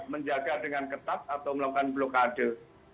menjaga dengan ketat atau melakukan blokade